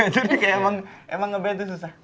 jadi kayak emang emang ngeband tuh susah